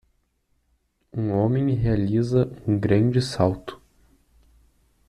um homem realiza um grande salto.